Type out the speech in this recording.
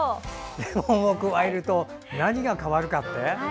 レモンを加えると何が変わるか。